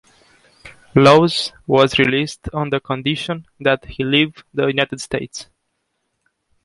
Laws was released on the condition that he leave the United States.